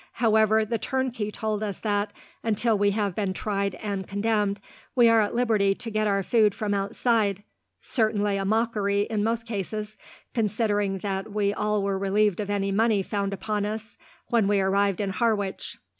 However, the turnkey told us that, until we have been tried and condemned, we are at liberty to get our food from outside certainly a mockery, in most cases, considering that we all were relieved of any money found upon us, when we arrived in Harwich.